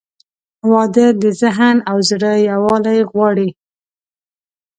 • واده د ذهن او زړه یووالی غواړي.